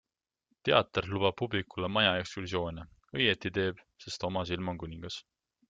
Teater lubab publikule maja ekskursioone, õieti teeb, sest oma silm on kuningas.